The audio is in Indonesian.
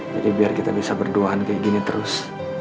jadi biar kita bisa berduaan kayak gini terus